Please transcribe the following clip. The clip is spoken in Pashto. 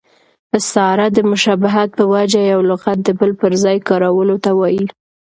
استعاره د مشابهت په وجه یو لغت د بل پر ځای کارولو ته وايي.